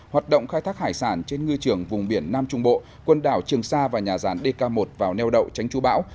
hoạt động khai thác hải sản trên ngư trường vùng biển nam trung bộ quần đảo trường sa và nhà rán dk một vào neo đậu tránh chú bão